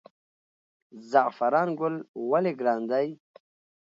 زعفران ګل ولې ګران دی؟